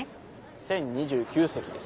１０２９席です。